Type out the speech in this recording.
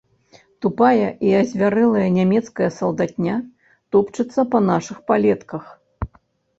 Тупая і азвярэлая нямецкая салдатня топчацца па нашых палетках.